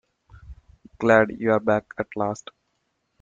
Glad you're back at last.